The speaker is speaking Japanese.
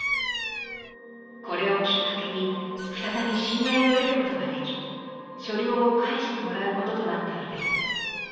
これをきっかけに再び信頼を得ることができ所領も返してもらうこととなったのです。